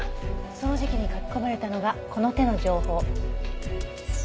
その時期に書き込まれたのがこの手の情報。